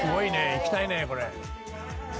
行きたいねこれ。